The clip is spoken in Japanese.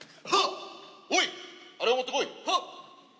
おい、あれを持ってこい。